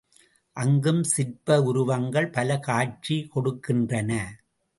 அங்கும் சிற்ப உருவங்கள் பல காட்சி கொடுக்கின்றன.